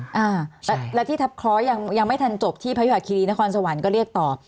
อ่าแล้วที่ทับคอยังไม่ทันจบที่พยาบาลคีรีนครสวรรค์ก็เรียกต่อ